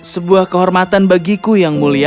sebuah kehormatan bagiku yang mulia